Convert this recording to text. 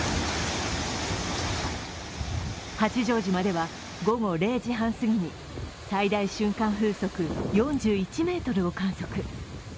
八丈島では午後０時半すぎに最大瞬間風速４１メートルを観測。